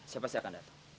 siapa sih akan datang